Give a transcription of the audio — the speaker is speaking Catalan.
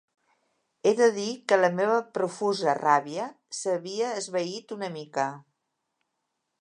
He de dir que la meva profusa ràbia s'havia esvaït una mica.